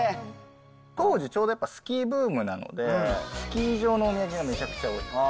当時、ちょうどやっぱ、スキーブームなので、スキー場のお土産がめちゃくちゃ多かった。